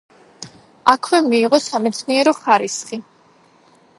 აქვე მიიღო სამეცნიერო ხარისხი.